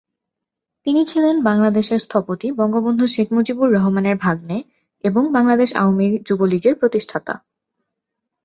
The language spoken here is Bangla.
তিনি ছিলেন বাংলাদেশের স্থপতি বঙ্গবন্ধু শেখ মুজিবুর রহমানের ভাগ্নে এবং বাংলাদেশ আওয়ামী যুবলীগের প্রতিষ্ঠাতা।